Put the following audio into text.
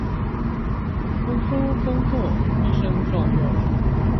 讀書工作，一生受用